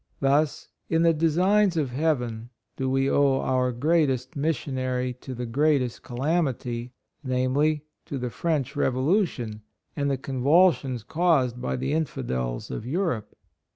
Thus, in the designs of heaven do we owe our greatest missionary to the greatest calamity, viz : to the French Revo lution, and the convulsions caused by the infidels of Europe.